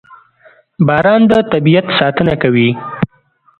• باران د طبیعت ساتنه کوي.